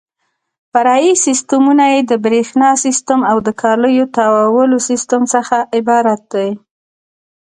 فرعي سیسټمونه یې د برېښنا سیسټم او د کالیو تاوولو سیسټم څخه عبارت دي.